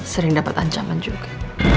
sering dapet ancaman juga